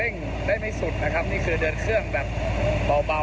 นี่คือเดินเครื่องแบบเบา